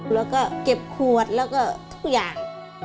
แล้วก็เก็บขวดแล้วก็ทุกอย่าง